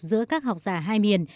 giữa các học giả hai miền